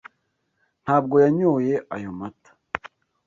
Ntabwo yanyoye ayo mata